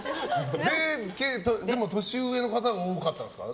でも、年上の方も多かったんですか？